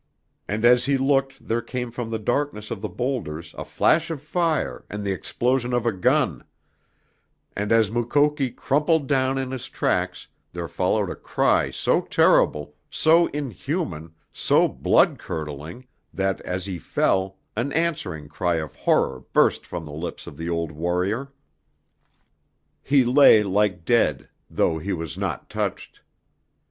And as he looked there came from the darkness of the boulders a flash of fire and the explosion of a gun, and as Mukoki crumpled down in his tracks there followed a cry so terrible, so unhuman, so blood curdling that, as he fell, an answering cry of horror burst from the lips of the old warrior. He lay like dead, though he was not touched.